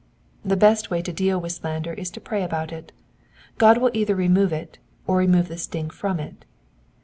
The best way to deal with slander is to pray about it : God will either remove it, or remove the sting from it.